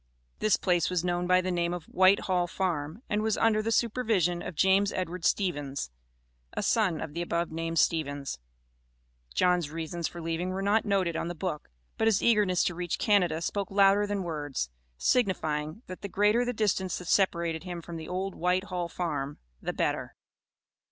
This place was known by the name of "White Hall Farm;" and was under the supervision of James Edward Stevens, a son of the above named Stevens. John's reasons for leaving were not noted on the book, but his eagerness to reach Canada spoke louder than words, signifying that the greater the distance that separated him from the old "White Hall Farm" the better.